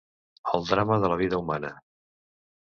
El drama de la vida humana.